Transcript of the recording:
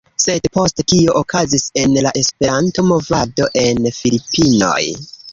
Sed poste, kio okazis en la Esperanto-Movado en Filipinoj?